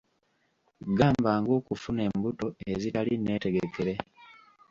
Gamba ng'okufuna embuto ezitali nneetegekere.